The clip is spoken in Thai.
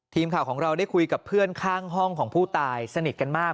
ทีมข่าวของเราได้คุยกับเพื่อนข้างห้องของผู้ตายสนิทกันมาก